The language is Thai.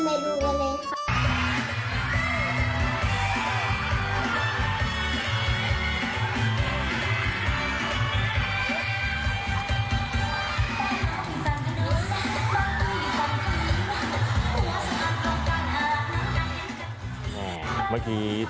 นานวันเด็กสร้างเสียงหรอและลอยยิ้ม